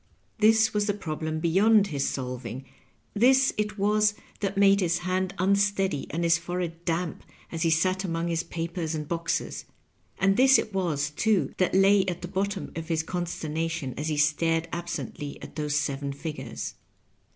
This was the problem beyond his solving; this it was that made his hand unsteady and his forehead damp as he sat among his papers and boxes ; and this it was, too, that lay at the bottom of his consternation as he stared absently at those seven figures.